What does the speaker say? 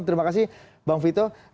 terima kasih bang vito